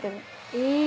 え。